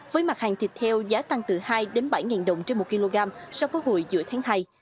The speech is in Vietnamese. với mặt hàng thịt heo giá tăng từ hai bảy đồng trên một kg so với hồi giữa tháng hai